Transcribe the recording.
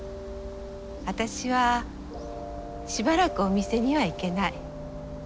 私はしばらくお店には行けない。